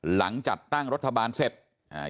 หลังจัดตั้งรัฐบาลเสร็จอ่า